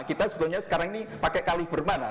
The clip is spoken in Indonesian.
kita sebetulnya sekarang ini pakai kaliber mana